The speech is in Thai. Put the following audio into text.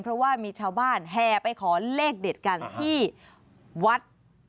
เพราะว่ามีชาวบ้านแห่ไปขอเลขเด็ดกันที่วัด